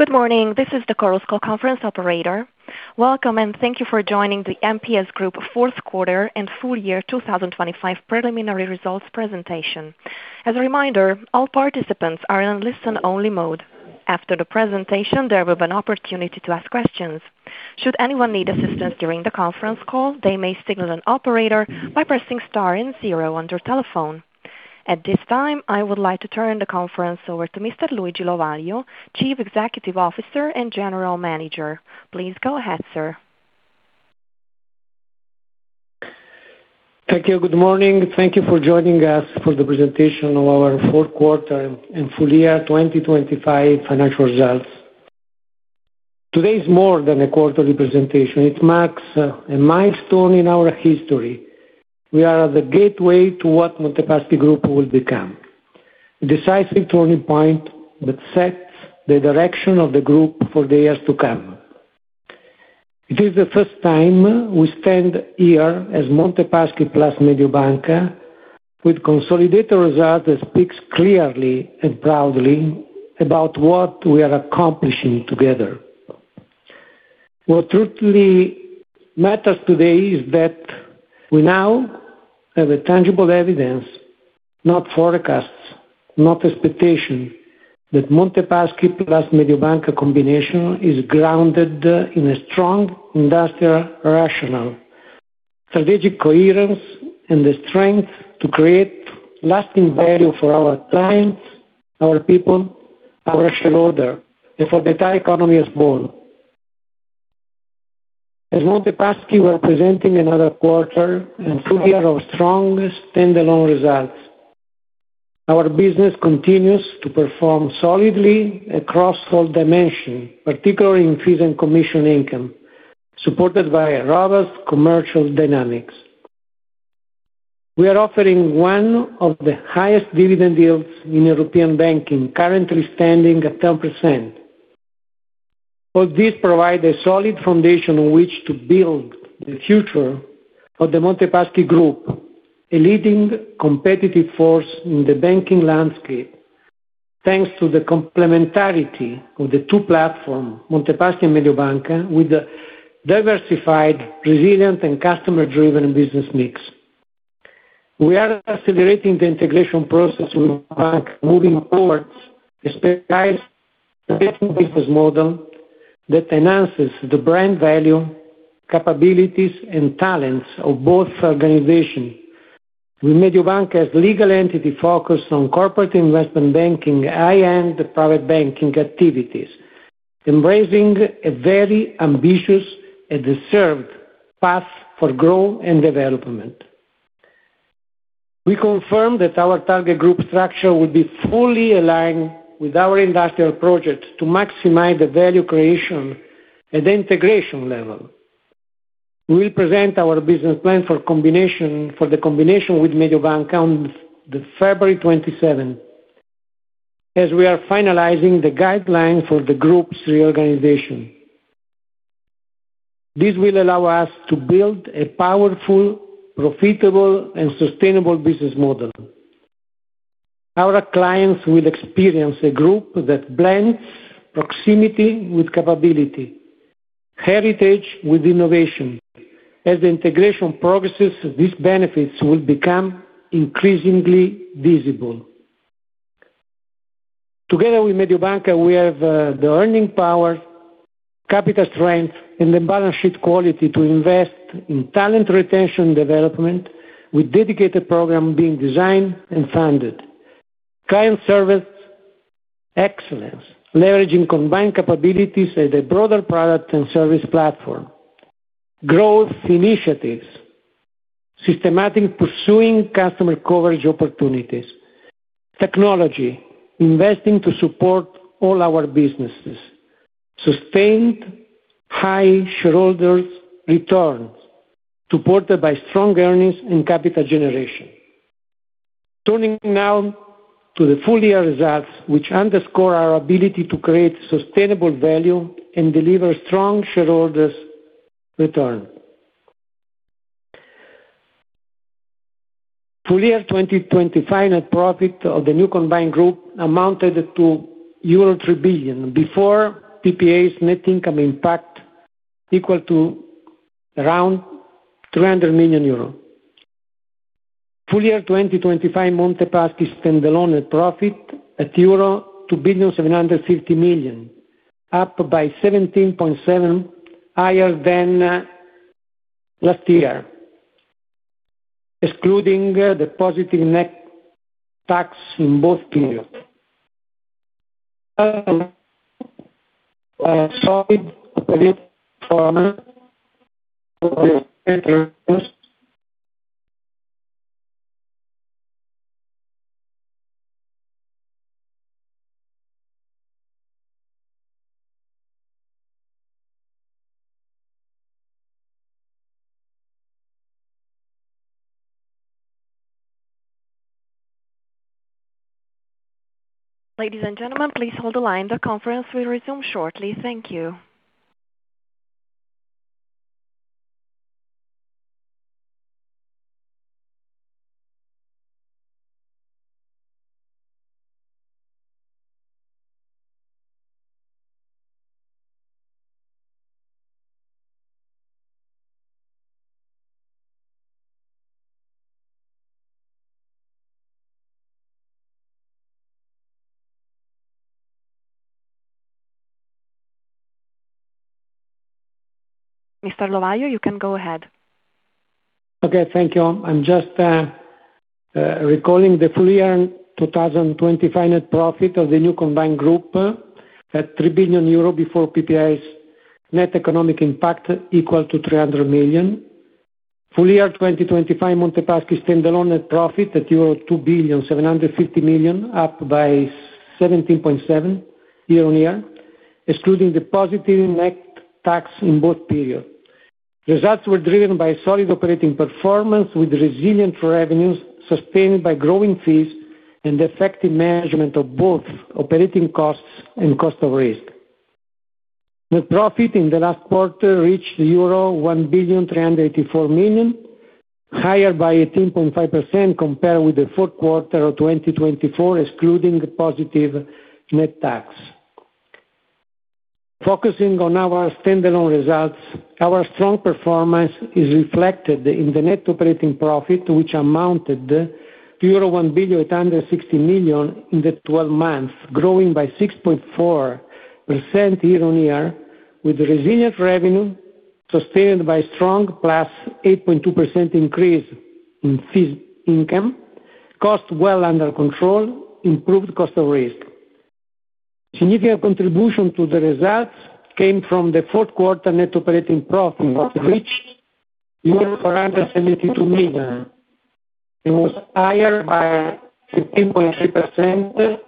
Good morning. This is the Chorus Call Conference Operator. Welcome, and thank you for joining the MPS Group fourth quarter and full year 2025 preliminary results presentation. As a reminder, all participants are in listen-only mode. After the presentation, there will be an opportunity to ask questions. Should anyone need assistance during the conference call, they may signal an operator by pressing star and zero under Telephone. At this time, I would like to turn the conference over to Mr. Luigi Lovaglio, Chief Executive Officer and General Manager. Please go ahead, sir. Thank you. Good morning. Thank you for joining us for the presentation of our fourth quarter and full year 2025 financial results. Today is more than a quarterly presentation. It marks a milestone in our history. We are at the gateway to what Monte Paschi Group will become, a decisive turning point that sets the direction of the group for the years to come. It is the first time we stand here as Monte Paschi Plus Mediobanca with consolidated results that speak clearly and proudly about what we are accomplishing together. What truly matters today is that we now have tangible evidence, not forecasts, not expectations, that Monte Paschi Plus Mediobanca combination is grounded in a strong industrial rationale, strategic coherence, and the strength to create lasting value for our clients, our people, our shareholder, and for the entire economy as a whole. As Monte Paschi were presenting another quarter and full year of strong standalone results, our business continues to perform solidly across all dimensions, particularly in fees and commission income, supported by robust commercial dynamics. We are offering one of the highest dividend yields in European banking, currently standing at 10%. All these provide a solid foundation on which to build the future of the Monte Paschi Group, a leading competitive force in the banking landscape, thanks to the complementarity of the two platforms, Monte Paschi and Mediobanca, with a diversified, resilient, and customer-driven business mix. We are accelerating the integration process with the bank, moving towards a specialized business model that enhances the brand value, capabilities, and talents of both organizations. With Mediobanca as a legal entity focused on corporate investment banking and private banking activities, embracing a very ambitious and deserved path for growth and development. We confirm that our target group structure will be fully aligned with our industrial project to maximize the value creation at the integration level. We will present our business plan for the combination with Mediobanca on February 27th, as we are finalizing the guidelines for the group's reorganization. This will allow us to build a powerful, profitable, and sustainable business model. Our clients will experience a group that blends proximity with capability, heritage with innovation. As the integration progresses, these benefits will become increasingly visible. Together with Mediobanca, we have the earning power, capital strength, and the balance sheet quality to invest in talent retention and development, with dedicated programs being designed and funded. Client service excellence, leveraging combined capabilities as a broader product and service platform. Growth initiatives. Systematic pursuing customer coverage opportunities. Technology. Investing to support all our businesses. Sustained high shareholder returns, supported by strong earnings and capital generation. Turning now to the full year results, which underscore our ability to create sustainable value and deliver strong shareholder return. Full year 2025 net profit of the new combined group amounted to euro 3 billion before PPAs net income impact equaled to around 300 million euros. Full year 2025 Monte Paschi standalone net profit at euro 2.750 million, up by 17.7% higher than last year, excluding the positive net tax in both periods. Solid performance of the net earnings. Ladies and gentlemen, please hold the line. The conference will resume shortly. Thank you. Mr. Lovaglio, you can go ahead. Okay. Thank you. I'm just recalling the full year 2025 net profit of the new combined group at 3 billion euro before PPAs net economic impact equal to 300 million. Full year 2025 Monte Paschi standalone net profit at euro 2.750 million, up by 17.7% year-over-year, excluding the positive net tax in both periods. Results were driven by solid operating performance with resilient revenues sustained by growing fees and effective management of both operating costs and cost of risk. Net profit in the last quarter reached euro 1.384 million, higher by 18.5% compared with the fourth quarter of 2024, excluding positive net tax. Focusing on our standalone results, our strong performance is reflected in the net operating profit, which amounted to euro 1,860 million in the 12 months, growing by 6.4% year-over-year, with resilient revenue sustained by a strong plus 8.2% increase in fees income, cost well under control, improved cost of risk. Significant contribution to the results came from the fourth quarter net operating profit, which reached EUR 472 million and was higher by 15.3%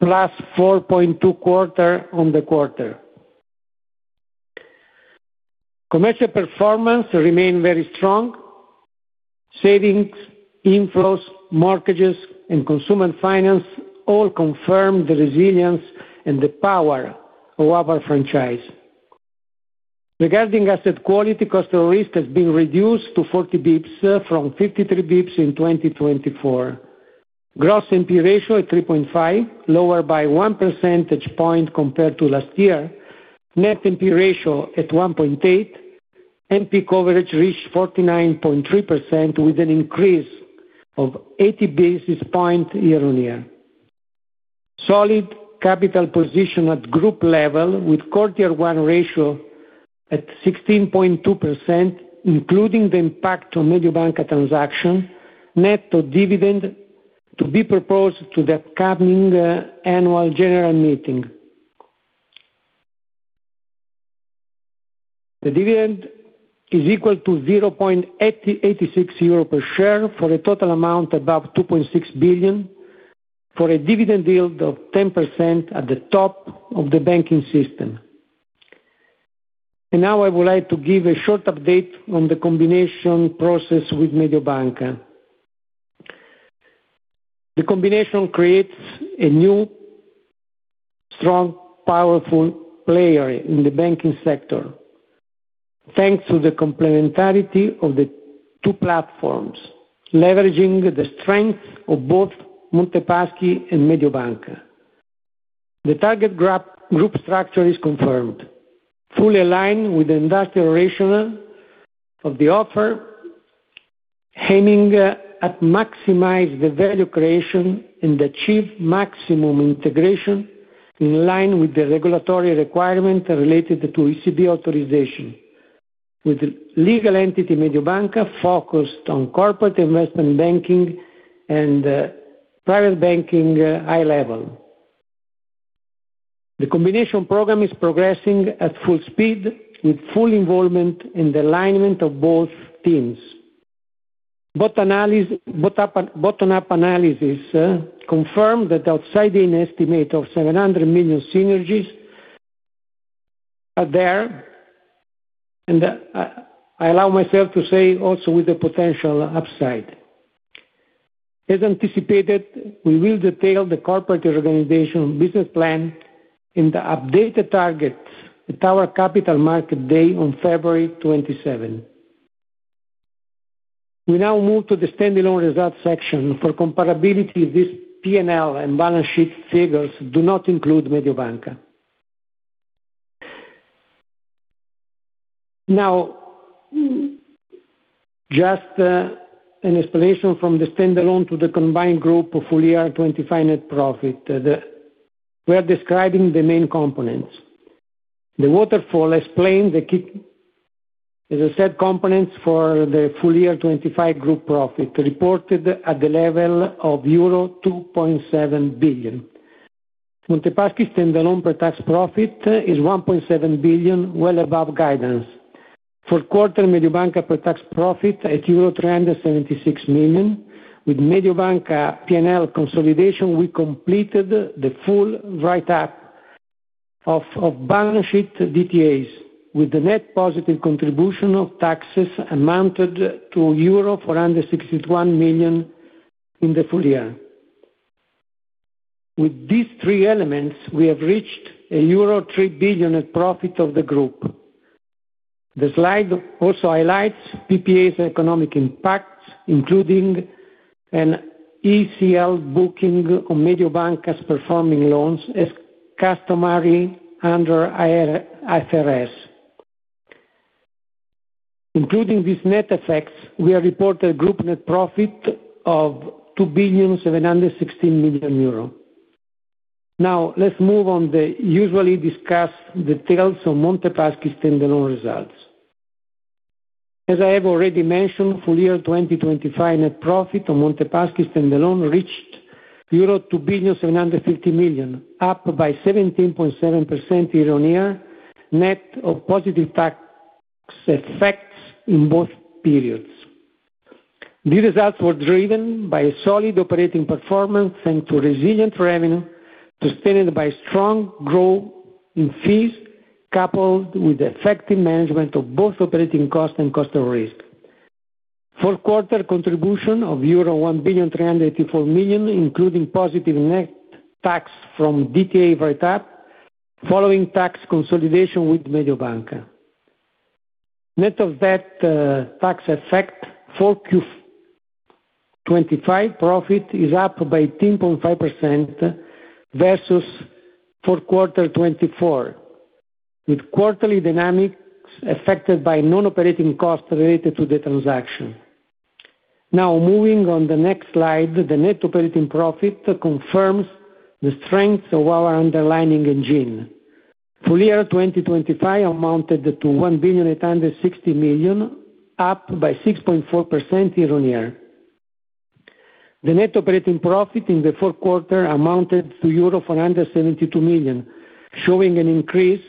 plus 4.2% on the quarter. Commercial performance remained very strong. Savings, inflows, mortgages, and consumer finance all confirmed the resilience and the power of our franchise. Regarding asset quality, cost of risk has been reduced to 40 basis points from 53 basis points in 2024. Gross NP ratio at 3.5%, lower by one percentage point compared to last year. Net NP ratio at 1.8%. NP coverage reached 49.3% with an increase of 80 basis points year-over-year. Solid capital position at group level with CET1 ratio at 16.2%, including the impact of Mediobanca transaction net dividend to be proposed to the coming annual general meeting. The dividend is equal to 0.86 euro per share for a total amount above 2.6 billion for a dividend yield of 10% at the top of the banking system. Now I would like to give a short update on the combination process with Mediobanca. The combination creates a new, strong, powerful player in the banking sector thanks to the complementarity of the two platforms, leveraging the strength of both Monte Paschi and Mediobanca. The target group structure is confirmed, fully aligned with the industrial rationale of the offer, aiming at maximizing the value creation and achieving maximum integration in line with the regulatory requirements related to ECB authorization, with legal entity Mediobanca focused on corporate investment banking and private banking high level. The combination program is progressing at full speed with full involvement and alignment of both teams. Bottom-up analysis confirmed that outside the estimate of 700 million synergies are there, and I allow myself to say also with the potential upside. As anticipated, we will detail the corporate reorganization business plan and the updated targets at our capital market day on February 27th. We now move to the standalone results section. For comparability, these P&L and balance sheet figures do not include Mediobanca. Now, just an explanation from the standalone to the combined group of full year 2025 net profit. We are describing the main components. The waterfall explains the key, as I said, components for the full year 2025 group profit reported at the level of euro 2.7 billion. Monte Paschi standalone pre-tax profit is 1.7 billion, well above guidance. For the quarter, Mediobanca pre-tax profit at euro 376 million, with Mediobanca P&L consolidation, we completed the full write-up of balance sheet DTAs with the net positive contribution of taxes amounted to euro 461 million in the full year. With these three elements, we have reached a euro 3 billion net profit of the group. The slide also highlights PPAs economic impacts, including an ECL booking on Mediobanca's performing loans as customary under IFRS. Including these net effects, we have reported group net profit of 2.716 million euro. Now, let's move on to the usually discussed details of Monte Paschi standalone results. As I have already mentioned, full year 2025 net profit on Monte Paschi standalone reached euro 2.750 million, up by 17.7% year on year, net of positive tax effects in both periods. These results were driven by a solid operating performance and a resilient revenue sustained by strong growth in fees coupled with effective management of both operating costs and cost of risk. Fourth quarter contribution of euro 1.384 million, including positive net tax from DTA write-up following tax consolidation with Mediobanca. Net of that tax effect, 4Q25 profit is up by 18.5% versus fourth quarter 2024, with quarterly dynamics affected by non-operating costs related to the transaction. Now, moving on to the next slide, the net operating profit confirms the strengths of our underlying engine. Full year 2025 amounted to 1.860 million, up by 6.4% year-on-year. The net operating profit in the fourth quarter amounted to euro 472 million, showing an increase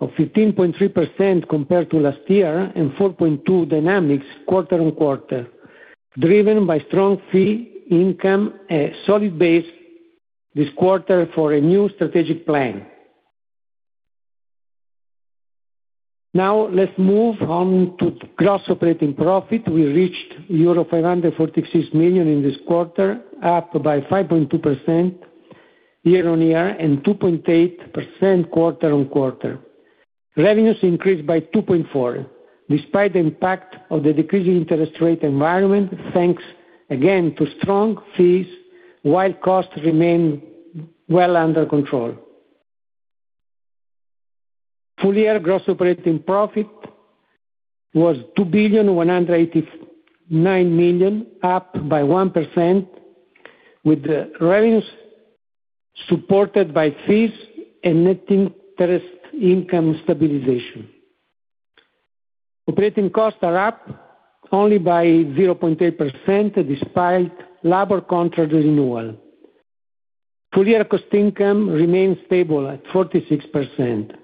of 15.3% compared to last year and 4.2% dynamics quarter-on-quarter, driven by strong fee income and solid base this quarter for a new strategic plan. Now, let's move on to gross operating profit. We reached euro 546 million in this quarter, up by 5.2% year-on-year and 2.8% quarter-on-quarter. Revenues increased by 2.4% despite the impact of the decreasing interest rate environment, thanks again to strong fees, while costs remain well under control. Full year gross operating profit was 2,189 million, up by 1% with the revenues supported by fees and net interest income stabilization. Operating costs are up only by 0.8% despite labor contract renewal. Full year cost income remains stable at 46%.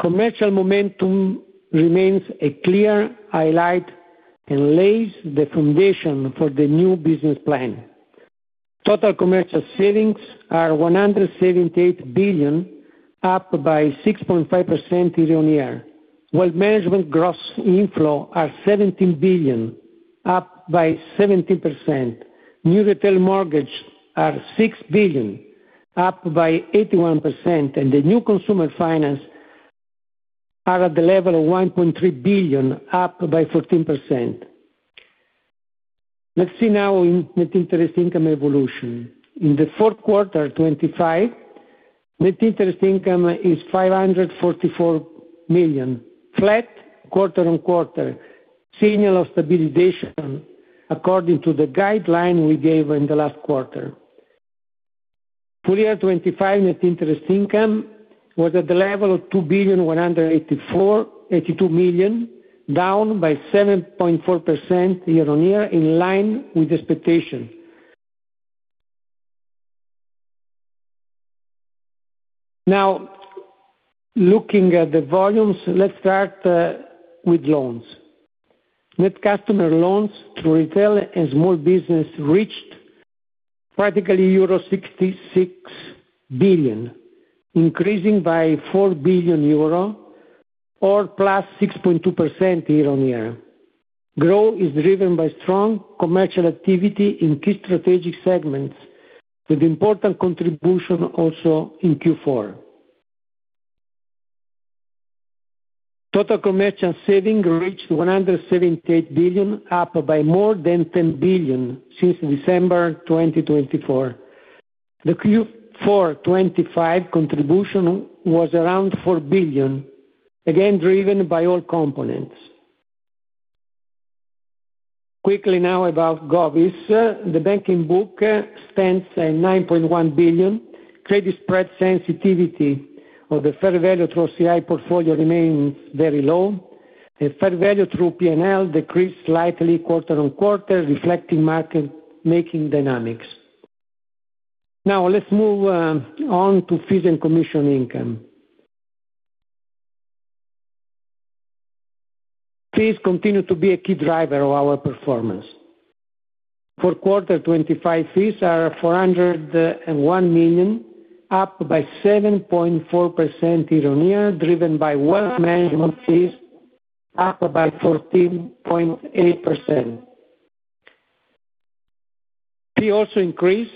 Commercial momentum remains a clear highlight and lays the foundation for the new business plan. Total commercial savings are 178 billion, up by 6.5% year-on-year. Wealth management gross inflow are 17 billion, up by 17%. New retail mortgages are 6 billion, up by 81%, and the new consumer finance are at the level of 1.3 billion, up by 14%. Let's see now in net interest income evolution. In the fourth quarter 2025, net interest income is 544 million, flat quarter-on-quarter, signal of stabilization according to the guideline we gave in the last quarter. Full year 2025 net interest income was at the level of 2.184 million, down by 7.4% year-on-year in line with expectation. Now, looking at the volumes, let's start with loans. Net customer loans through retail and small business reached practically euro 66 billion, increasing by 4 billion euro or +6.2% year-on-year. Growth is driven by strong commercial activity in key strategic segments with important contribution also in Q4. Total commercial savings reached 178 billion, up by more than 10 billion since December 2024. The Q4 2025 contribution was around 4 billion, again driven by all components. Quickly now about Govies. The banking book stands at 9.1 billion. Credit spread sensitivity of the fair value through OCI portfolio remains very low, and fair value through P&L decreased slightly quarter-on-quarter, reflecting market-making dynamics. Now, let's move on to fees and commission income. Fees continue to be a key driver of our performance. Fourth quarter 2025 fees are 401 million, up by 7.4% year-on-year, driven by wealth management fees, up by 14.8%. Fees also increased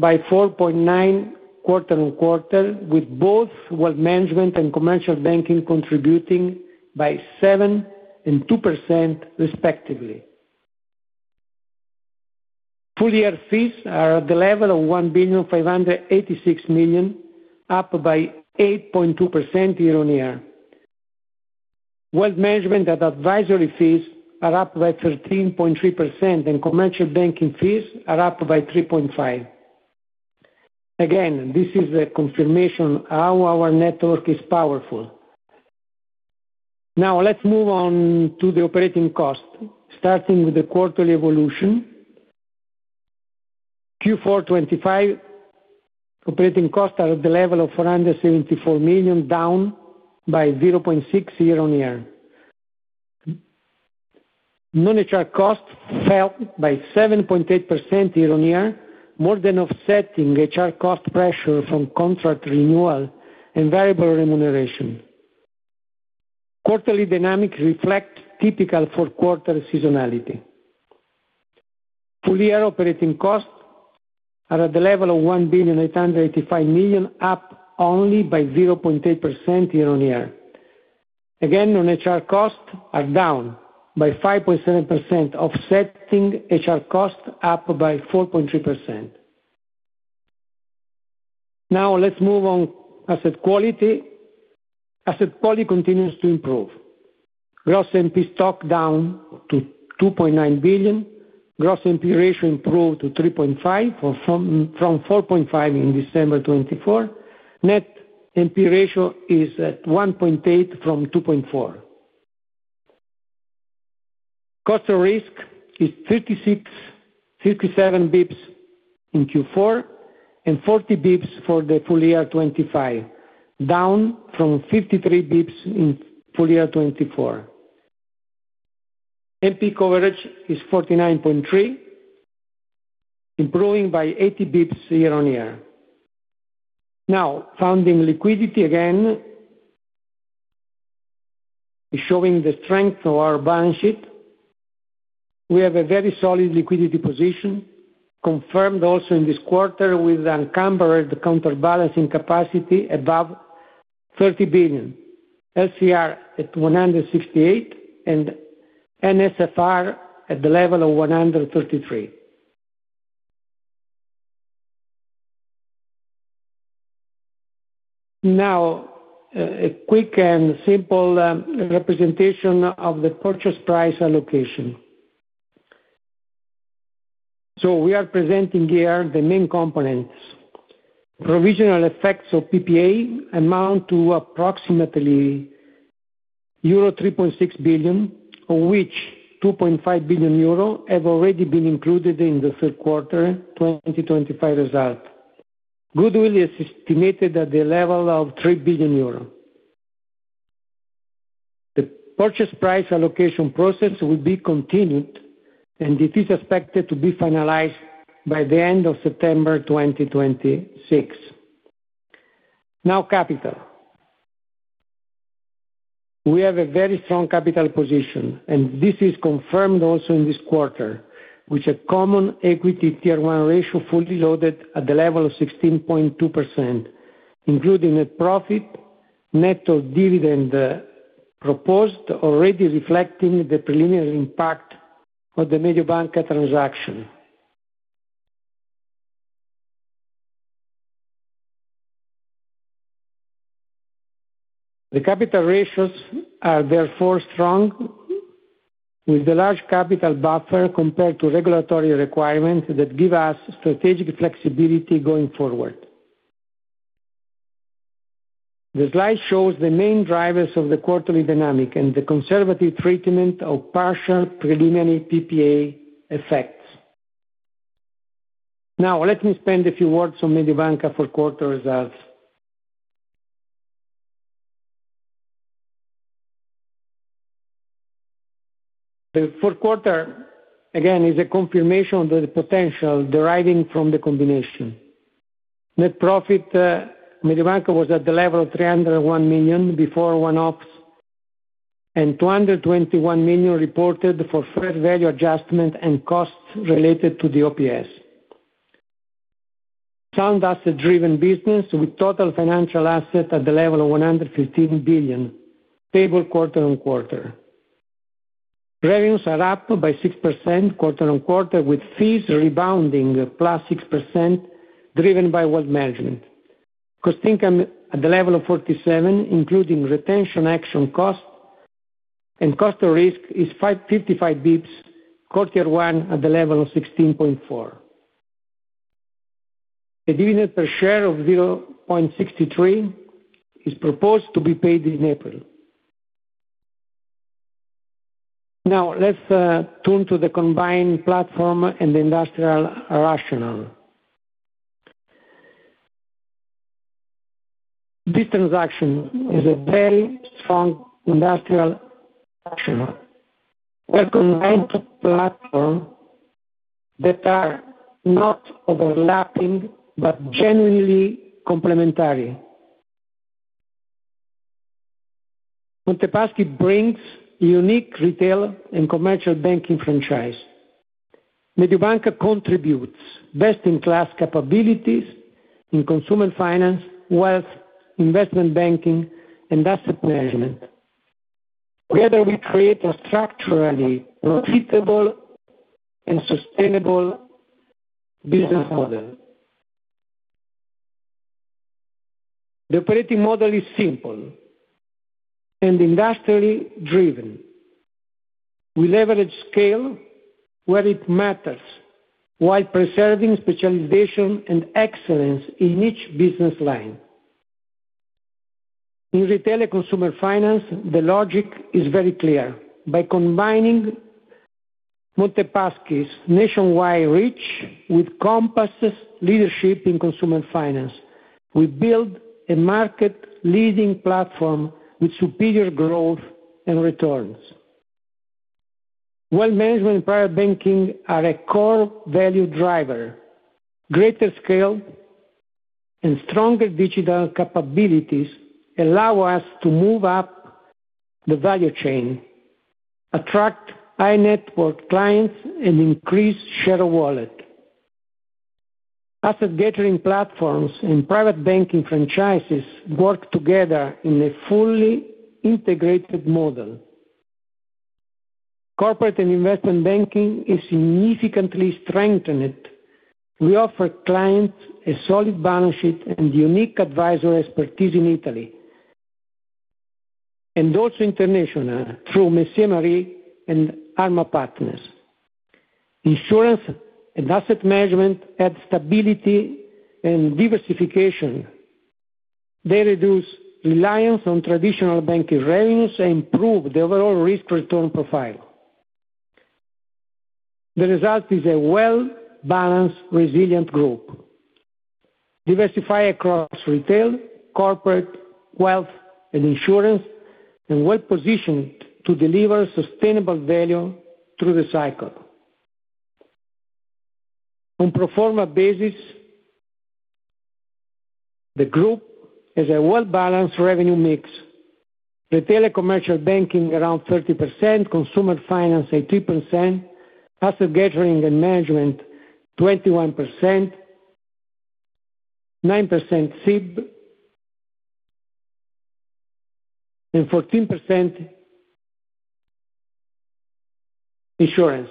by 4.9% quarter-on-quarter, with both wealth management and commercial banking contributing by 7% and 2% respectively. Full-year fees are at the level of 1.586 million, up by 8.2% year-on-year. Wealth management and advisory fees are up by 13.3%, and commercial banking fees are up by 3.5%. Again, this is a confirmation how our network is powerful. Now, let's move on to the operating cost, starting with the quarterly evolution. Q4 2025 operating costs are at the level of 474 million, down by 0.6% year-on-year. Non-HR costs fell by 7.8% year-on-year, more than offsetting HR cost pressure from contract renewal and variable remuneration. Quarterly dynamics reflect typical fourth quarter seasonality. Full year operating costs are at the level of 1,885 million, up only by 0.8% year-on-year. Again, non-HR costs are down by 5.7%, offsetting HR costs up by 4.3%. Now, let's move on to asset quality. Asset quality continues to improve. Gross NP stock down to 2.9 billion. Gross NP ratio improved to 3.5% from 4.5% in December 2024. Net NP ratio is at 1.8% from 2.4%. Cost of risk is 36.57 basis points in Q4 and 40 basis points for the full year 2025, down from 53 basis points in full year 2024. NP coverage is 49.3%, improving by 80 basis points year-on-year. Now, funding liquidity again is showing the strength of our balance sheet. We have a very solid liquidity position confirmed also in this quarter with encumbered counterbalancing capacity above 30 billion, LCR at 168, and NSFR at the level of 133. Now, a quick and simple representation of the purchase price allocation. So we are presenting here the main components. Provisional effects of PPA amount to approximately euro 3.6 billion, of which 2.5 billion euro have already been included in the third quarter 2025 result. Goodwill is estimated at the level of 3 billion euro. The purchase price allocation process will be continued, and it is expected to be finalized by the end of September 2026. Now, capital. We have a very strong capital position, and this is confirmed also in this quarter, with a Common Equity Tier 1 ratio fully loaded at the level of 16.2%, including net profit, net of dividend proposed, already reflecting the preliminary impact of the Mediobanca transaction. The capital ratios are therefore strong, with a large capital buffer compared to regulatory requirements that give us strategic flexibility going forward. The slide shows the main drivers of the quarterly dynamic and the conservative treatment of partial preliminary PPA effects. Now, let me spend a few words on Mediobanca fourth quarter results. The fourth quarter, again, is a confirmation of the potential deriving from the combination. Net profit Mediobanca was at the level of 301 million before one-offs, and 221 million reported for fair value adjustment and costs related to the OPS. Sound asset-driven business with total financial asset at the level of 115 billion, stable quarter-over-quarter. Revenues are up by 6% quarter-over-quarter, with fees rebounding +6% driven by wealth management. Cost income at the level of 47%, including retention action cost and cost of risk, is 55 bps, CET1 at the level of 16.4%. A dividend per share of 0.63% is proposed to be paid in April. Now, let's turn to the combined platform and the industrial rationale. This transaction is a very strong industrial rationale. We have combined platforms that are not overlapping but genuinely complementary. Monte Paschi brings unique retail and commercial banking franchise. Mediobanca contributes best-in-class capabilities in consumer finance, wealth, investment banking, and asset management. Together, we create a structurally profitable and sustainable business model. The operating model is simple and industrially driven. We leverage scale where it matters while preserving specialization and excellence in each business line. In retail and consumer finance, the logic is very clear. By combining Monte Paschi's nationwide reach with Compass's leadership in consumer finance, we build a market-leading platform with superior growth and returns. Wealth management and private banking are a core value driver. Greater scale and stronger digital capabilities allow us to move up the value chain, attract high-network clients, and increase share of wallet. Asset-gathering platforms and private banking franchises work together in a fully integrated model. Corporate and investment banking is significantly strengthened. We offer clients a solid balance sheet and unique advisory expertise in Italy and also internationally through Messier and Arma Partners. Insurance and asset management add stability and diversification. They reduce reliance on traditional banking revenues and improve the overall risk-return profile. The result is a well-balanced, resilient group diversified across retail, corporate, wealth, and insurance, and well-positioned to deliver sustainable value through the cycle. On pro forma basis, the group has a well-balanced revenue mix: retail and commercial banking around 30%, consumer finance at 3%, asset-gathering and management 21%, 9% CIB, and 14% insurance.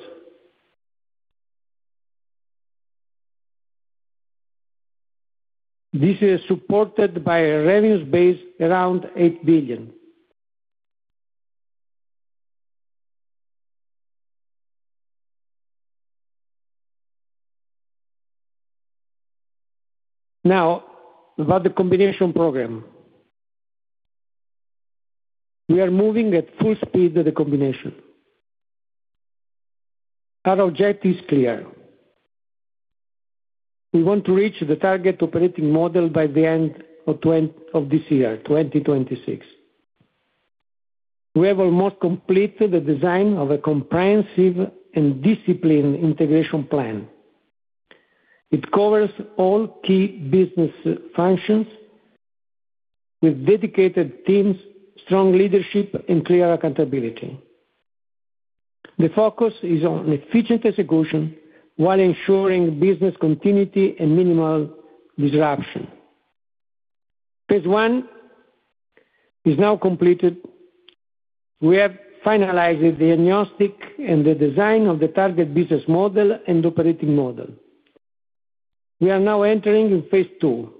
This is supported by a revenues base around 8 billion. Now, about the combination program. We are moving at full speed to the combination. Our objective is clear. We want to reach the target operating model by the end of this year, 2026. We have almost completed the design of a comprehensive and disciplined integration plan. It covers all key business functions with dedicated teams, strong leadership, and clear accountability. The focus is on efficient execution while ensuring business continuity and minimal disruption. Phase one is now completed. We have finalized the diagnostic and the design of the target business model and operating model. We are now entering phase two.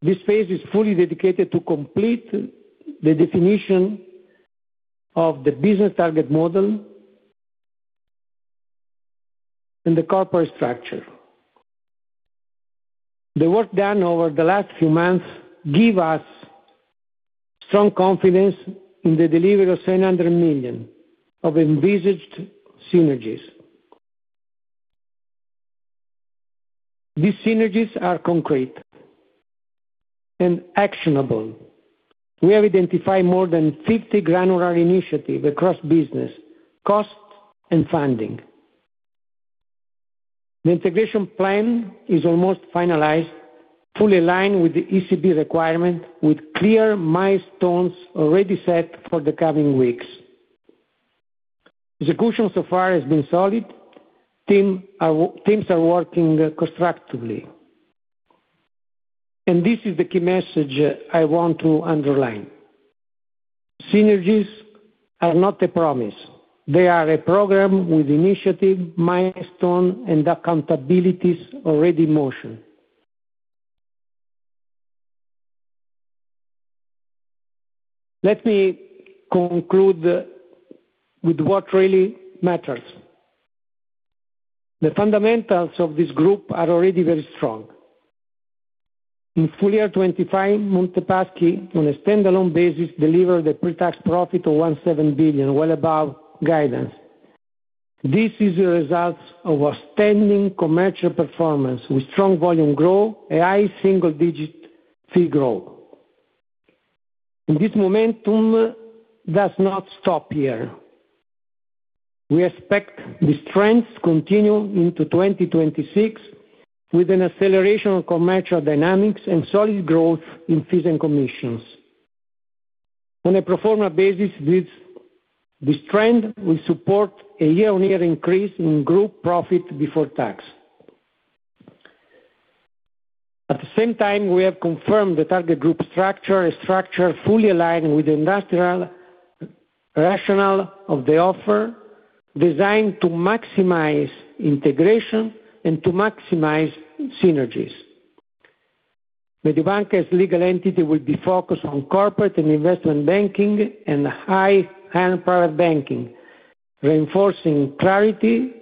This phase is fully dedicated to complete the definition of the business target model and the corporate structure. The work done over the last few months gives us strong confidence in the delivery of 700 million of envisaged synergies. These synergies are concrete and actionable. We have identified more than 50 granular initiatives across business cost and funding. The integration plan is almost finalized, fully aligned with the ECB requirement, with clear milestones already set for the coming weeks. Execution so far has been solid. Teams are working constructively. This is the key message I want to underline. Synergies are not a promise. They are a program with initiative, milestone, and accountabilities already in motion. Let me conclude with what really matters. The fundamentals of this group are already very strong. In full year 2025, Monte Paschi, on a standalone basis, delivered a pre-tax profit of 1.7 billion, well above guidance. This is the result of outstanding commercial performance with strong volume growth and high single-digit fee growth. And this momentum does not stop here. We expect the strengths to continue into 2026 with an acceleration of commercial dynamics and solid growth in fees and commissions. On a pro forma basis, this trend will support a year-on-year increase in group profit before tax. At the same time, we have confirmed the target group structure, a structure fully aligned with the industrial rationale of the offer designed to maximize integration and to maximize synergies. Mediobanca's legal entity will be focused on corporate and investment banking and high-end private banking, reinforcing clarity,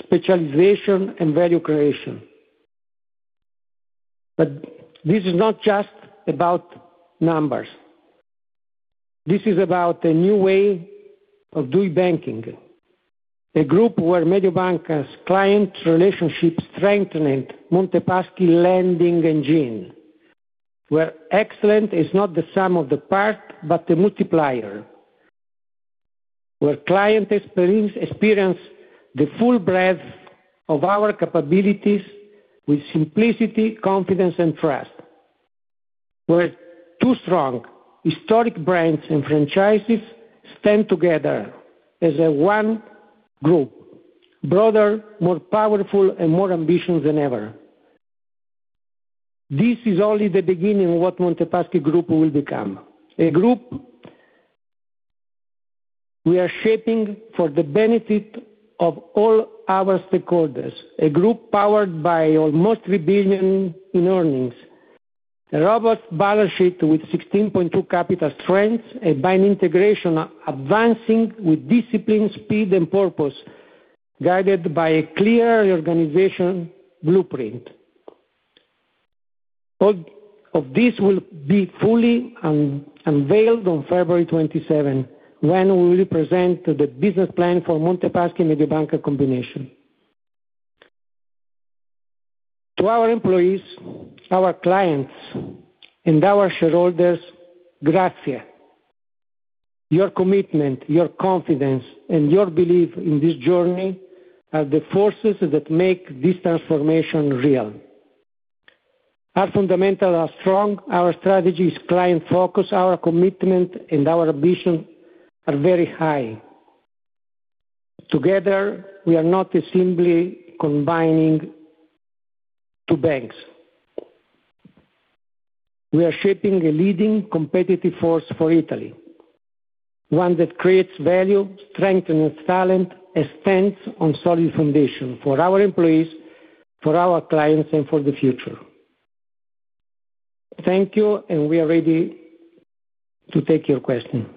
specialization, and value creation. But this is not just about numbers. This is about a new way of doing banking, a group where Mediobanca's client relationship strengthened Monte Paschi lending engine, where excellent is not the sum of the parts but the multiplier, where client experience the full breadth of our capabilities with simplicity, confidence, and trust, where two strong historic brands and franchises stand together as one group, broader, more powerful, and more ambitious than ever. This is only the beginning of what Monte Paschi Group will become, a group we are shaping for the benefit of all our stakeholders, a group powered by almost 3 billion in earnings, a robust balance sheet with 16.2 capital strengths, a binding integration advancing with discipline, speed, and purpose guided by a clear organization blueprint. All of this will be fully unveiled on February 27th when we will present the business plan for Monte Paschi Mediobanca combination. To our employees, our clients, and our shareholders, grazie. Your commitment, your confidence, and your belief in this journey are the forces that make this transformation real. Our fundamentals are strong. Our strategy is client-focused. Our commitment and our ambition are very high. Together, we are not simply combining two banks. We are shaping a leading competitive force for Italy, one that creates value, strengthens talent, and stands on solid foundation for our employees, for our clients, and for the future. Thank you, and we are ready to take your question.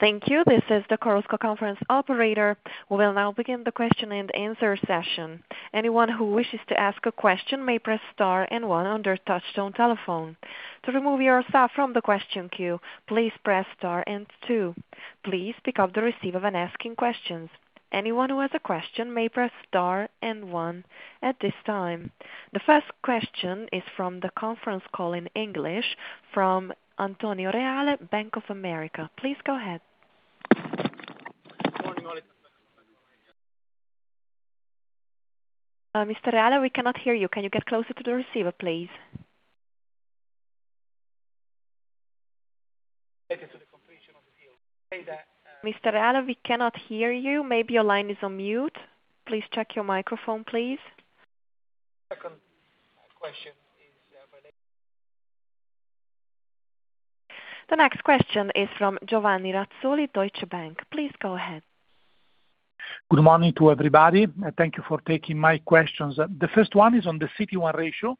Thank you. This is the Chorus Call Conference Operator. We will now begin the question and answer session. Anyone who wishes to ask a question may press star and one on their touch-tone telephone. To remove yourself from the question queue, please press star and two. Please pick up the receiver when asking questions. Anyone who has a question may press star and one at this time. The first question is from the conference call in English from Antonio Reale, Bank of America. Please go ahead. Good morning, Olivier Bernhard. Mr. Reale, we cannot hear you. Can you get closer to the receiver, please? Mr. Reale, we cannot hear you. Maybe your line is on mute. Please check your microphone, please. Second question is related. The next question is from Giovanni Razzoli, Deutsche Bank. Please go ahead. Good morning to everybody, and thank you for taking my questions. The first one is on the CET1 ratio.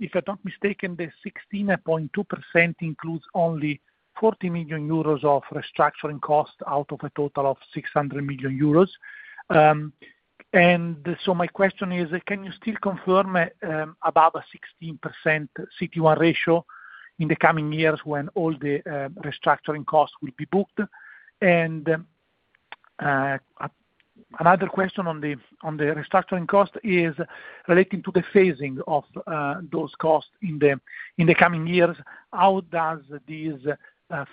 If I'm not mistaken, the 16.2% includes only 40 million euros of restructuring costs out of a total of 600 million euros. And so my question is, can you still confirm above a 16% CET1 ratio in the coming years when all the restructuring costs will be booked? And another question on the restructuring cost is relating to the phasing of those costs in the coming years. How does this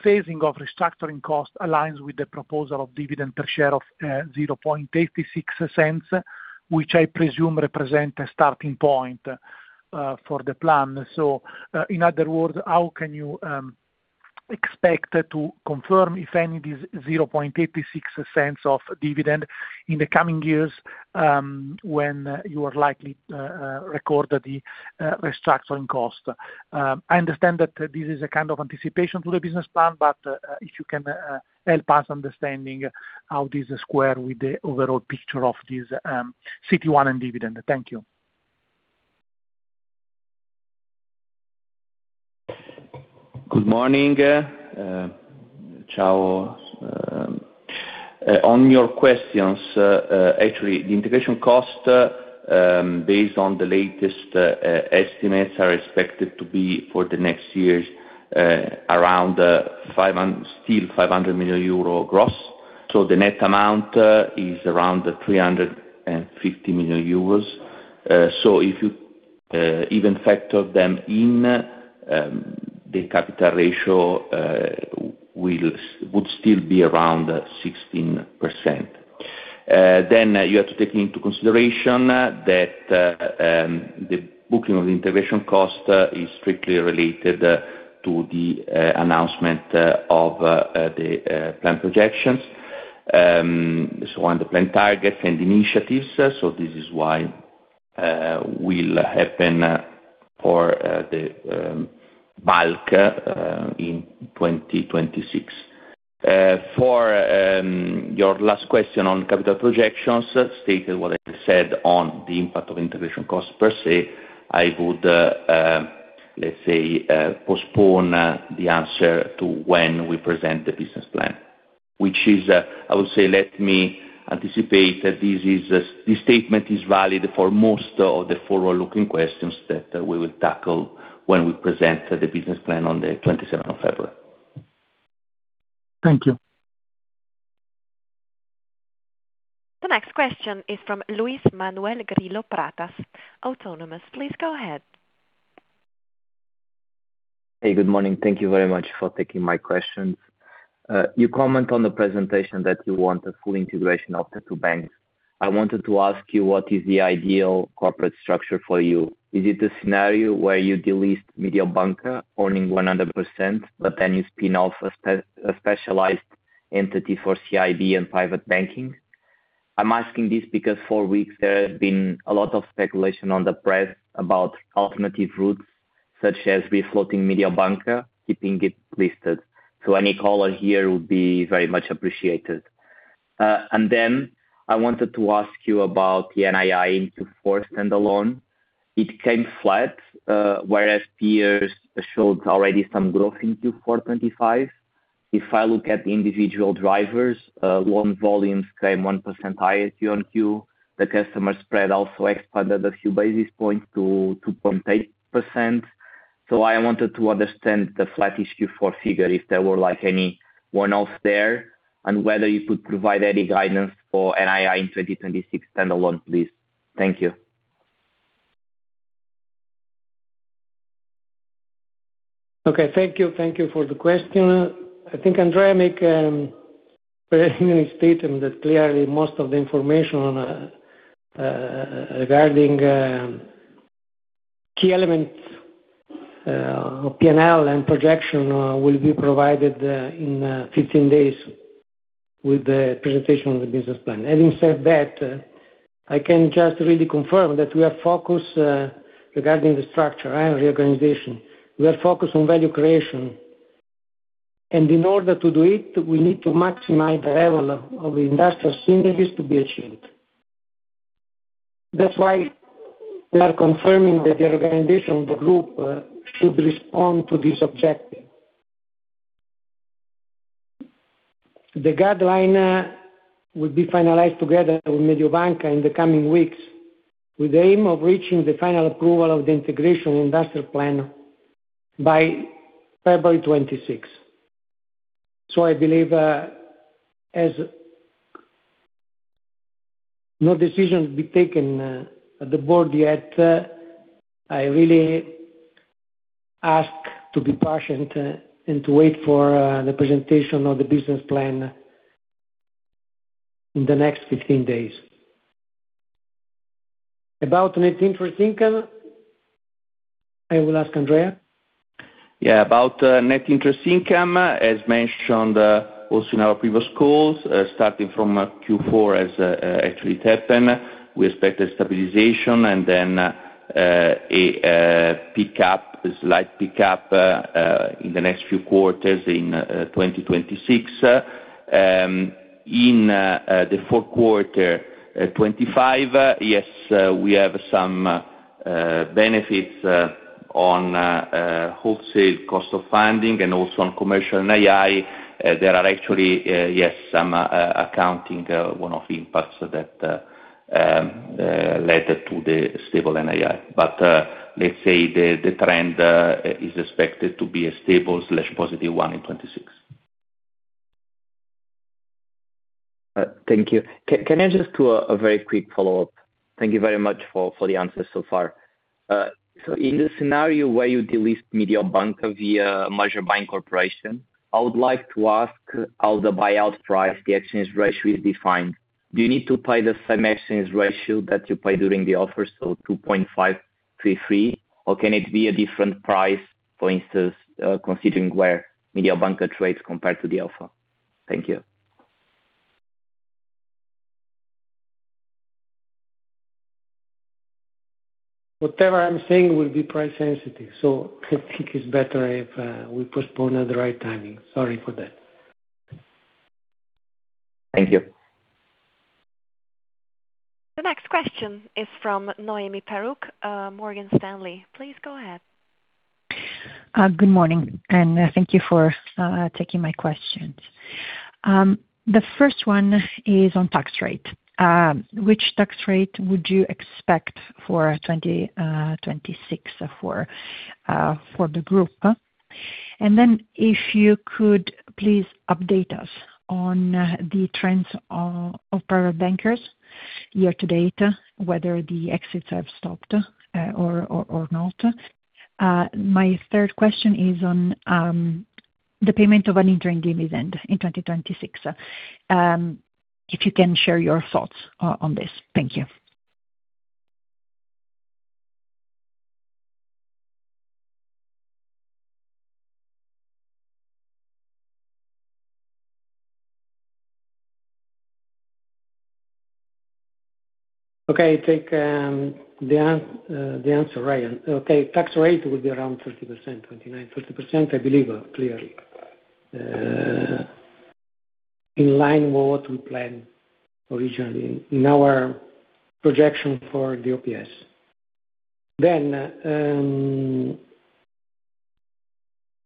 phasing of restructuring costs align with the proposal of dividend per share of 0.86, which I presume represents a starting point for the plan? So in other words, how can you expect to confirm, if any, this 0.86 of dividend in the coming years when you are likely to record the restructuring cost? I understand that this is a kind of anticipation to the business plan, but if you can help us understanding how this squares with the overall picture of this CET1 and dividend. Thank you. Good morning. Ciao. On your questions, actually, the integration costs, based on the latest estimates, are expected to be for the next years around still 500 million euro gross. So the net amount is around 350 million euros. So if you even factor them in, the capital ratio would still be around 16%. Then you have to take into consideration that the booking of the integration cost is strictly related to the announcement of the plan projections, so on the plan targets and initiatives. So this is why will happen for the bulk in 2026. For your last question on capital projections, stated what I said on the impact of integration costs per se, I would, let's say, postpone the answer to when we present the business plan, which is, I would say, let me anticipate that this statement is valid for most of the forward-looking questions that we will tackle when we present the business plan on the 27th of February. Thank you. The next question is from Luis Pratas, Autonomous. Please go ahead. Hey, good morning. Thank you very much for taking my questions. You comment on the presentation that you want a full integration of the two banks. I wanted to ask you, what is the ideal corporate structure for you? Is it the scenario where you delist Mediobanca, owning 100%, but then you spin off a specialized entity for CIB and private banking? I'm asking this because for weeks, there has been a lot of speculation in the press about alternative routes such as refloating Mediobanca, keeping it listed. So any color here would be very much appreciated. And then I wanted to ask you about the NII in Q4 standalone. It came flat, whereas peers showed already some growth in Q4/2025. If I look at individual drivers, loan volumes came 1% higher on Q. The customer spread also expanded a few basis points to 2.8%. I wanted to understand the flatish Q4 figure, if there were any one-offs there, and whether you could provide any guidance for NII in 2026 standalone, please. Thank you. Okay. Thank you. Thank you for the question. I think Andrea made a very clear statement that clearly most of the information regarding key elements of P&L and projection will be provided in 15 days with the presentation of the business plan. Having said that, I can just really confirm that we are focused regarding the structure and reorganization. We are focused on value creation. In order to do it, we need to maximize the level of the industrial synergies to be achieved. That's why we are confirming that the organization, the group, should respond to this objective. The guideline will be finalized together with Mediobanca in the coming weeks with the aim of reaching the final approval of the integration industrial plan by February 26th. I believe as no decision be taken at the board yet, I really ask to be patient and to wait for the presentation of the business plan in the next 15 days. About net interest income, I will ask Andrea. Yeah. About net interest income, as mentioned also in our previous calls, starting from Q4 has actually happened. We expect a stabilization and then a slight pickup in the next few quarters in 2026. In the fourth quarter, 2025, yes, we have some benefits on wholesale cost of funding and also on commercial NII. There are actually, yes, some accounting one-off impacts that led to the stable NII. But let's say the trend is expected to be a stable/positive one in 2026. Thank you. Can I just do a very quick follow-up? Thank you very much for the answers so far. In the scenario where you delist Mediobanca via a major bank corporation, I would like to ask how the buyout price, the exchange ratio is defined. Do you need to pay the same exchange ratio that you pay during the offer, so 2.533, or can it be a different price, for instance, considering where Mediobanca trades compared to the offer? Thank you. Whatever I'm saying will be price-sensitive. So I think it's better if we postpone at the right timing. Sorry for that. Thank you. The next question is from Noemi Peruch, Morgan Stanley. Please go ahead. Good morning, and thank you for taking my questions. The first one is on tax rate. Which tax rate would you expect for 2026 for the group? And then if you could please update us on the trends of private bankers year to date, whether the exits have stopped or not. My third question is on the payment of an interim dividend in 2026. If you can share your thoughts on this? Thank you. Okay. Take the answer, Ryan. Okay. Tax rate will be around 30%, 29%-30%, I believe, clearly, in line with what we planned originally in our projection for the OPS. Then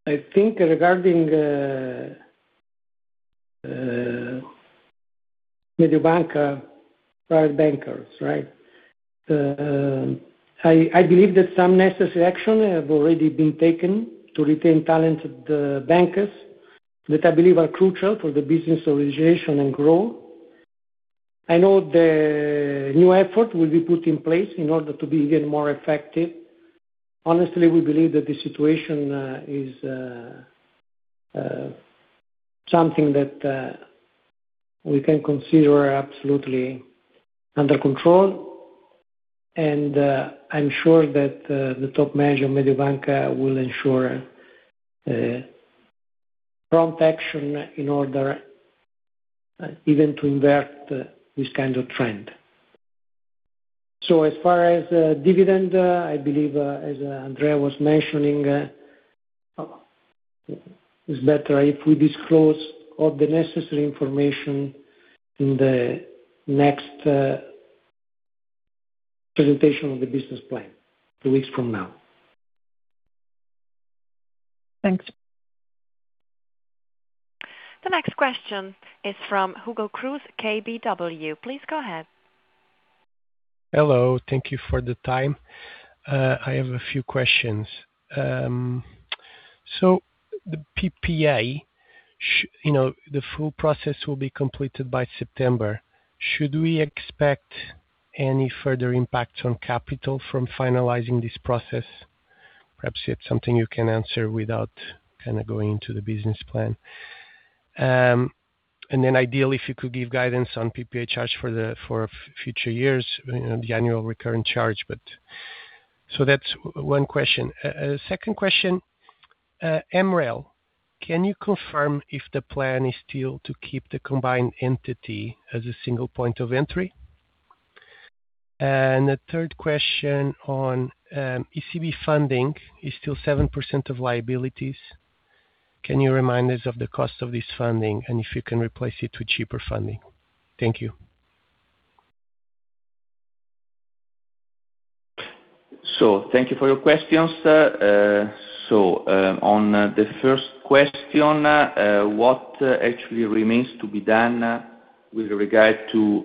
I think regarding Mediobanca, private bankers, right, I believe that some necessary action have already been taken to retain talented bankers that I believe are crucial for the business organization and growth. I know the new effort will be put in place in order to be even more effective. Honestly, we believe that the situation is something that we can consider absolutely under control. And I'm sure that the top manager of Mediobanca will ensure prompt action in order even to invert this kind of trend. So as far as dividend, I believe, as Andrea was mentioning, it's better if we disclose all the necessary information in the next presentation of the business plan two weeks from now. Thanks. The next question is from Hugo Cruz, KBW. Please go ahead. Hello. Thank you for the time. I have a few questions. So the PPA, the full process will be completed by September. Should we expect any further impacts on capital from finalizing this process? Perhaps it's something you can answer without kind of going into the business plan. And then ideally, if you could give guidance on PPA charge for future years, the annual recurrent charge. So that's one question. Second question, MREL, can you confirm if the plan is still to keep the combined entity as a single point of entry? And the third question on ECB funding, is still 7% of liabilities? Can you remind us of the cost of this funding and if you can replace it with cheaper funding? Thank you. So thank you for your questions. So on the first question, what actually remains to be done with regard to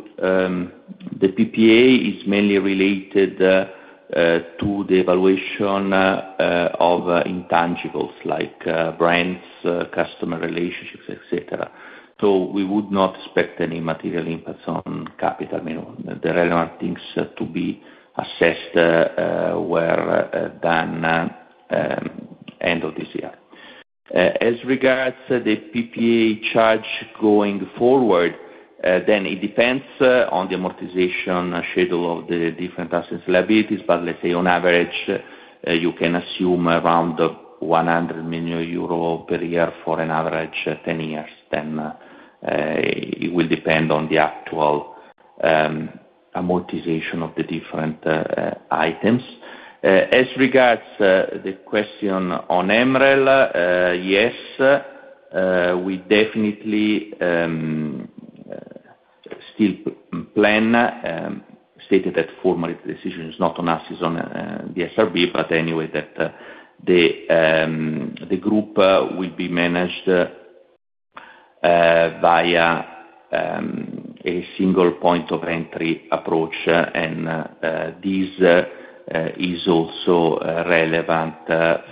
the PPA is mainly related to the evaluation of intangibles like brands, customer relationships, etc. So we would not expect any material impacts on capital. The relevant things to be assessed were done end of this year. As regards the PPA charge going forward, then it depends on the amortization schedule of the different assets and liabilities. But let's say, on average, you can assume around 100 million euro per year for an average 10 years. Then it will depend on the actual amortization of the different items. As regards the question on MREL, yes, we definitely still plan, stated that formally the decision is not on us, it's on the SRB. But anyway, that the group will be managed via a single point of entry approach. This is also relevant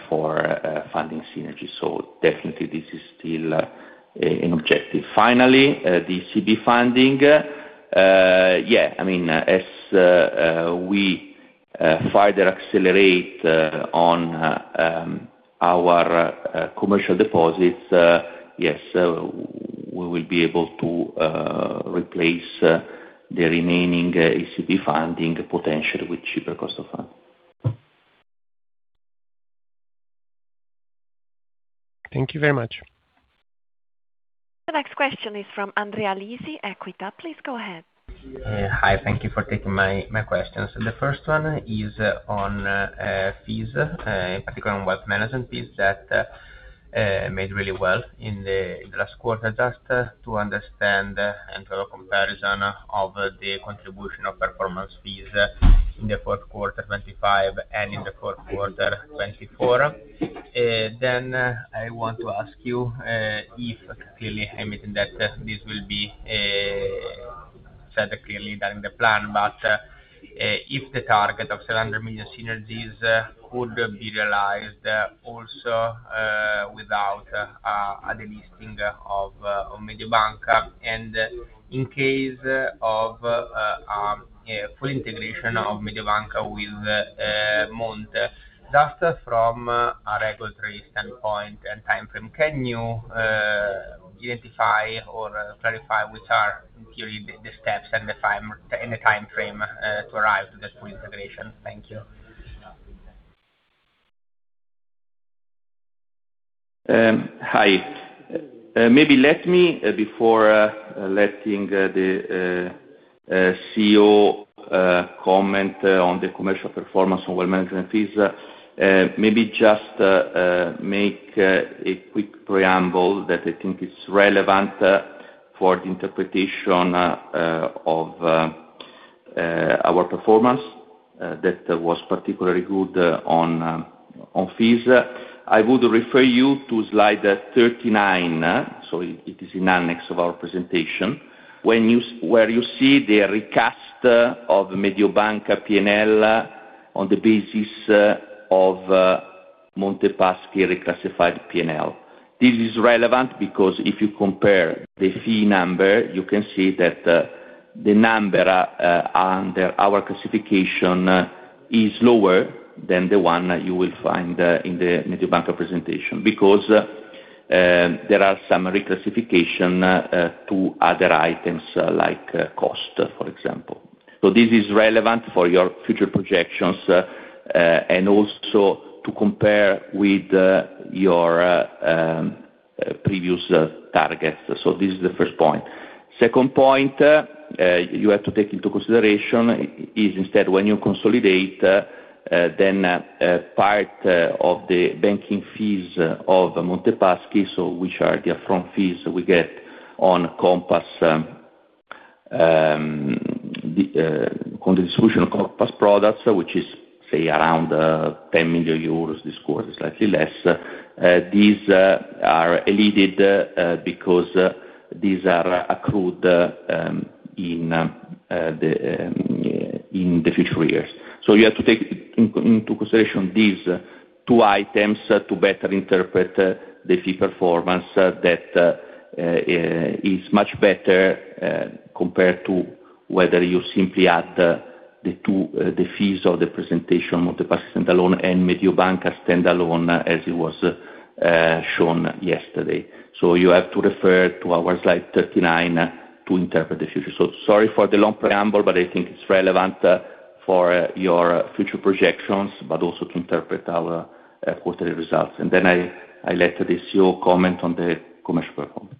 for funding synergy. Definitely, this is still an objective. Finally, the ECB funding, yeah, I mean, as we further accelerate on our commercial deposits, yes, we will be able to replace the remaining ECB funding potentially with cheaper cost of funds. Thank you very much. The next question is from Andrea Lisi, Equita. Please go ahead. Hi. Thank you for taking my questions. The first one is on fees, in particular on wealth management fees that made really well in the last quarter, just to understand and to have a comparison of the contribution of performance fees in the fourth quarter, 2025, and in the fourth quarter, 2024. Then I want to ask you if clearly, I'm admitting that this will be said clearly during the plan, but if the target of 700 million synergies could be realized also without a delisting of Mediobanca and in case of a full integration of Mediobanca with Monte, just from a regulatory standpoint and timeframe, can you identify or clarify which are in theory the steps and the timeframe to arrive to that full integration? Thank you. Hi. Maybe let me, before letting the CEO comment on the commercial performance on wealth management fees, maybe just make a quick preamble that I think it's relevant for the interpretation of our performance that was particularly good on fees. I would refer you to slide 39. So it is in annex of our presentation where you see the recast of Mediobanca P&L on the basis of Monte Paschi reclassified P&L. This is relevant because if you compare the fee number, you can see that the number under our classification is lower than the one you will find in the Mediobanca presentation because there are some reclassification to other items like cost, for example. So this is the first point. Second point you have to take into consideration is instead when you consolidate, then part of the banking fees of Monte Paschi, so which are the upfront fees we get on the distribution of Compass products, which is, say, around 10 million euros, this quarter slightly less, these are elided because these are accrued in the future years. So you have to take into consideration these two items to better interpret the fee performance that is much better compared to whether you simply add the fees of the presentation, Monte Paschi standalone, and Mediobanca standalone as it was shown yesterday. So you have to refer to our slide 39 to interpret the future. So sorry for the long preamble, but I think it's relevant for your future projections, but also to interpret our quarterly results. And then I let the CEO comment on the commercial performance.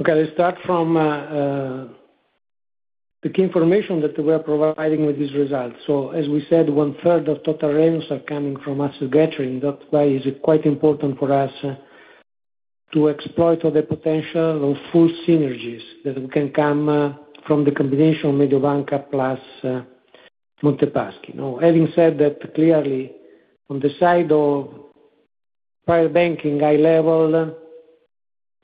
Okay. Let's start from the key information that we are providing with these results. So as we said, one-third of total revenues are coming from asset gathering. That's why it is quite important for us to exploit all the potential of full synergies that can come from the combination of Mediobanca plus Monte Paschi. Having said that, clearly, on the side of private banking high level,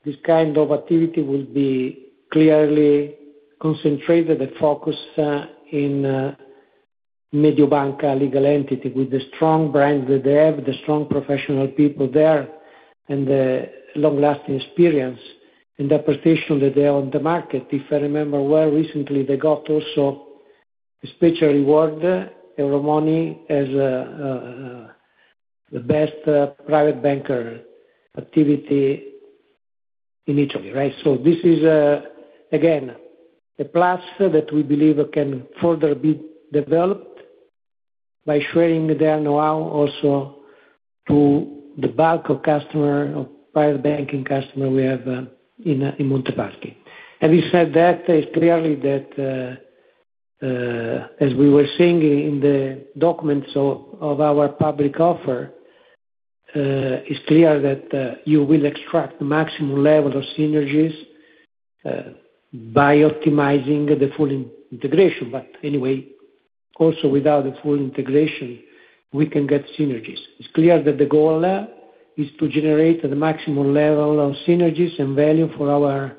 this kind of activity will be clearly concentrated and focused in Mediobanca legal entity with the strong brand that they have, the strong professional people there, and the long-lasting experience and the position that they are on the market. If I remember well, recently, they got also a special reward, Euromoney, as the best private banker activity in Italy, right? So this is, again, a plus that we believe can further be developed by sharing their know-how also to the bulk of customer of private banking customer we have in Monte Paschi. Having said that, it's clearly that as we were seeing in the documents of our public offer, it's clear that you will extract the maximum level of synergies by optimizing the full integration. But anyway, also without the full integration, we can get synergies. It's clear that the goal is to generate the maximum level of synergies and value for our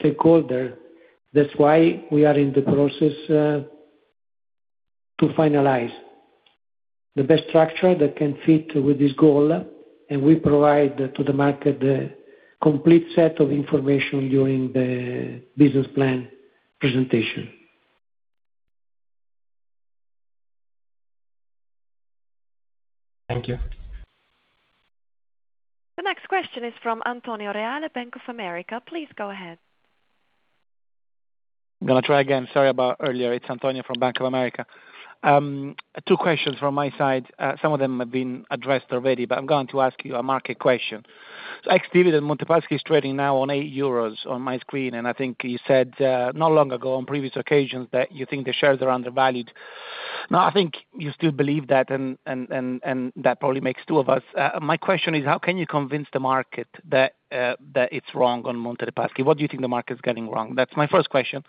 stakeholder. That's why we are in the process to finalize the best structure that can fit with this goal. And we provide to the market the complete set of information during the business plan presentation. Thank you. The next question is from Antonio Reale, Bank of America. Please go ahead. I'm going to try again. Sorry about earlier. It's Antonio from Bank of America. Two questions from my side. Some of them have been addressed already, but I'm going to ask you a market question. Ex-dividend, Monte Paschi is trading now on 8 euros on my screen. And I think you said not long ago on previous occasions that you think the shares are undervalued. Now, I think you still believe that, and that probably makes two of us. My question is, how can you convince the market that it's wrong on Monte Paschi? What do you think the market's getting wrong? That's my first question.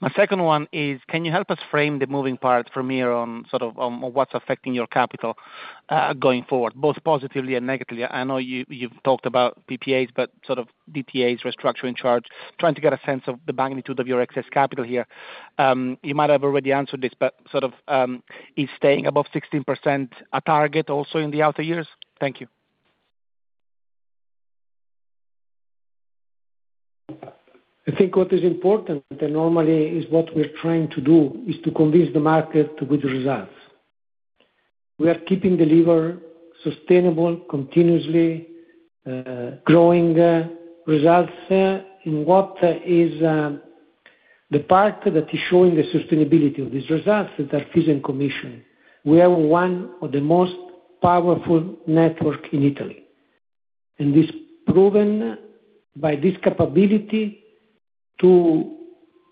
My second one is, can you help us frame the moving part from here on sort of what's affecting your capital going forward, both positively and negatively? I know you've talked about PPAs, but sort of DTAs, restructuring charge, trying to get a sense of the magnitude of your excess capital here. You might have already answered this, but sort of is staying above 16% a target also in the outer years? Thank you. I think what is important normally is what we're trying to do is to convince the market with results. We keep delivering sustainable, continuously growing results in what is the part that is showing the sustainability of these results that are fees and commission. We have one of the most powerful networks in Italy. And this is proven by this capability to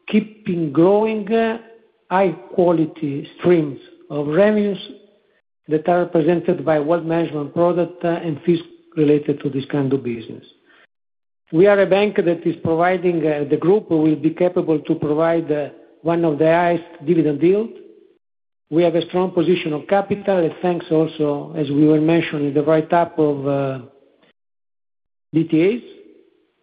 keep growing high-quality streams of revenues that are represented by wealth management product and fees related to this kind of business. We are a bank that is providing the group will be capable to provide one of the highest dividend yield. We have a strong position of capital. Thanks also, as we were mentioned, in the write-up of DTAs,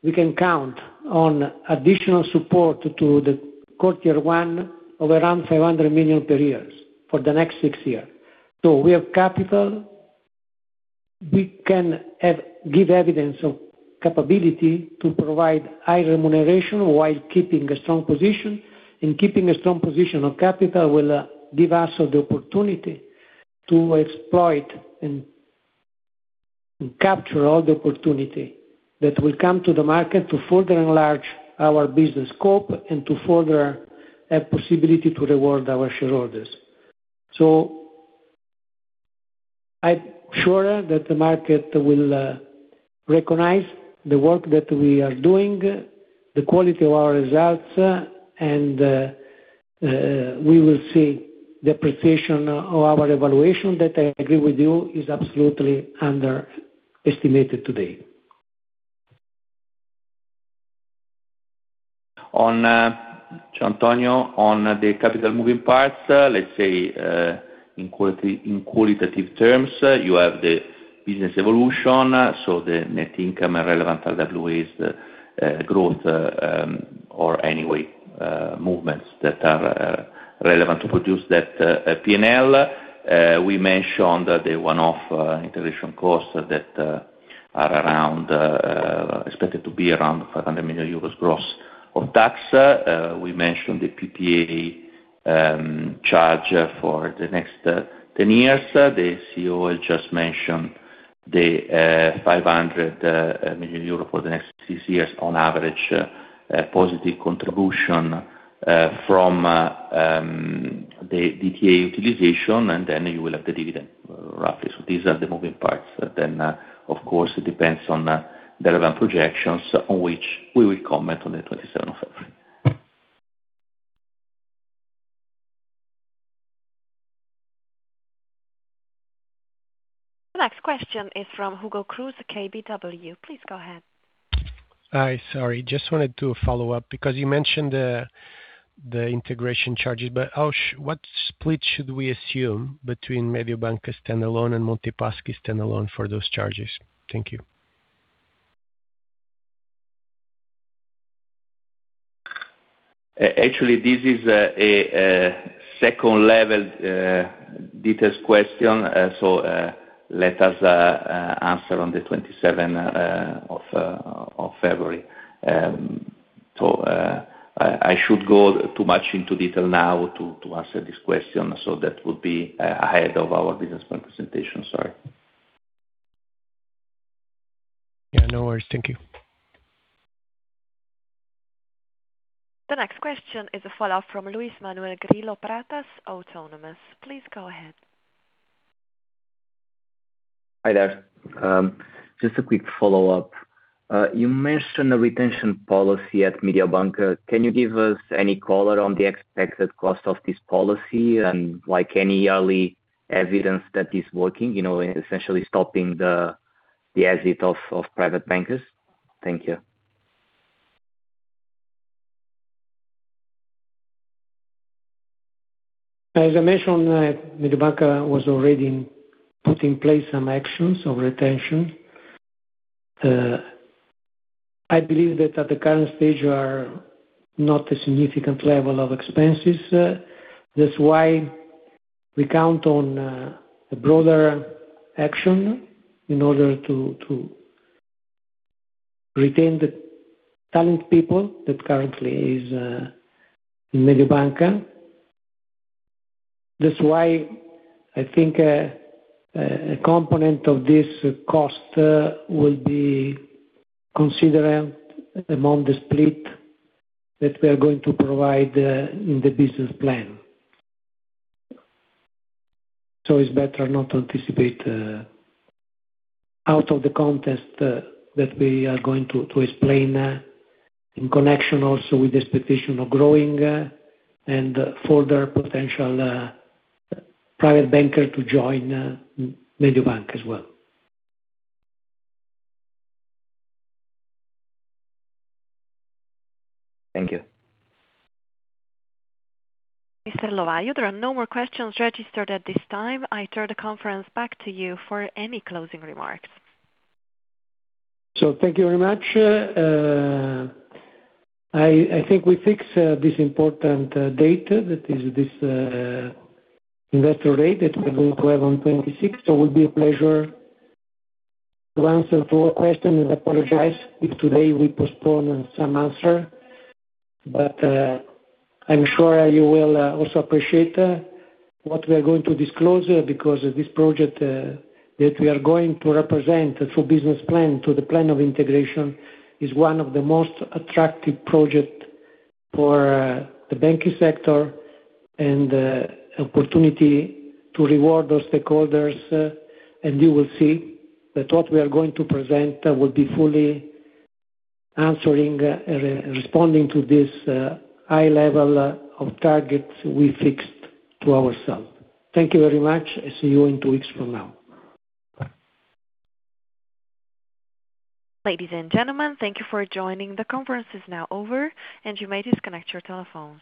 we can count on additional support to the CET1 of around 500 million per year for the next six years. So we have capital. We can give evidence of capability to provide high remuneration while keeping a strong position. Keeping a strong position of capital will give us the opportunity to exploit and capture all the opportunity that will come to the market to further enlarge our business scope and to further have possibility to reward our shareholders. I'm sure that the market will recognize the work that we are doing, the quality of our results, and we will see the appreciation of our evaluation that I agree with you is absolutely underestimated today. On Giantonio, on the capital moving parts, let's say in qualitative terms, you have the business evolution. So the net income and relevant RWAs, growth, or anyway movements that are relevant to produce that P&L. We mentioned the one-off integration costs that are expected to be around 500 million euros gross of tax. We mentioned the PPA charge for the next 10 years. The CEO has just mentioned the 500 million euro for the next 6 years on average positive contribution from the DTA utilization. And then you will have the dividend roughly. So these are the moving parts. Then, of course, it depends on relevant projections on which we will comment on the 27th of February. The next question is from Hugo Cruz, KBW. Please go ahead. Hi. Sorry. Just wanted to follow up because you mentioned the integration charges. But, Osh, what split should we assume between Mediobanca standalone and Monte Paschi standalone for those charges? Thank you. Actually, this is a second-level detailed question. So let us answer on the 27th of February. So I should go too much into detail now to answer this question. So that would be ahead of our business plan presentation. Sorry. Yeah. No worries. Thank you. The next question is a follow-up from Luis Pratas, Autonomous. Please go ahead. Hi there. Just a quick follow-up. You mentioned a retention policy at Mediobanca. Can you give us any color on the expected cost of this policy and any early evidence that is working, essentially stopping the exit of private bankers? Thank you. As I mentioned, Mediobanca was already putting in place some actions of retention. I believe that at the current stage, there are not a significant level of expenses. That's why we count on a broader action in order to retain the talented people that currently is in Mediobanca. That's why I think a component of this cost will be considered among the split that we are going to provide in the business plan. So it's better not to anticipate out of the context that we are going to explain in connection also with this petition of growing and further potential private banker to join Mediobanca as well. Thank you. Mr. Lovaglio, there are no more questions registered at this time. I turn the conference back to you for any closing remarks. Thank you very much. I think we fixed this important date that is this investor rate that we're going to have on the 26th. It will be a pleasure to answer to all questions. I apologize if today we postpone some answer. I'm sure you will also appreciate what we are going to disclose because this project that we are going to represent through business plan to the plan of integration is one of the most attractive projects for the banking sector and opportunity to reward those stakeholders. You will see that what we are going to present will be fully answering and responding to this high-level of targets we fixed to ourselves. Thank you very much. I see you in two weeks from now. Ladies and gentlemen, thank you for joining. The conference is now over. You may disconnect your telephone.